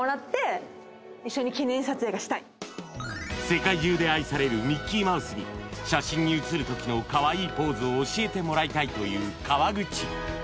世界中で愛されるミッキーマウスに写真に写る時のかわいいポーズを教えてもらいたいという川口